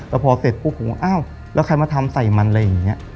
แล้วพอเสร็จปุ๊บผมว่าอ้าวแล้วใครมาทำใส่มันอะไรอย่างนี้